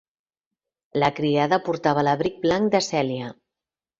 La criada portava l'abric blanc de Celia.